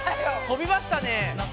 飛びましたね。